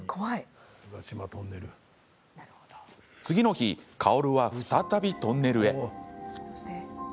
次の日カオルは再びトンネルへ。